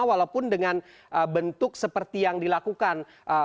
walaupun dengan bentuk seperti yang dilakukan